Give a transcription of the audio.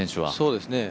そうですね。